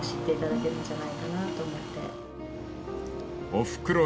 ［おふくろ